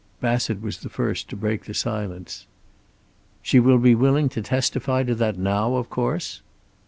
Bassett was the first to break the silence. "She will be willing to testify to that now, of course?"